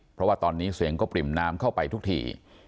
เพราะว่าตอนนี้เสียงก็ปริ่มน้ำเข้าไปทุกที